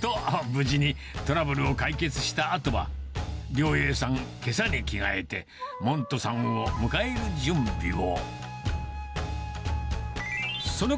と、無事にトラブルを解決したあとは、了瑛さん、けさに着替えて、門徒さんを迎える準備を。